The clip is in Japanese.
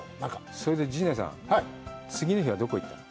それで陣内さん、次の日はどこに行ったの？